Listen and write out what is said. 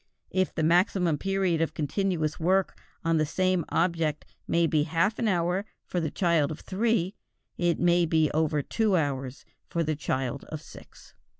If the maximum period of continuous work on the same object may be half an hour for the child of three, it may be over two hours for the child of six.